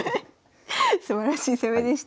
すばらしい攻めでした。